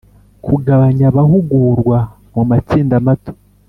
Kugabanya abahugurwa mu matsinda mato